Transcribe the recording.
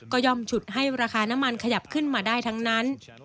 ก็ย่อมฉุดให้ราคาน้ำมันขยับขึ้นมาได้ทั้งนั้น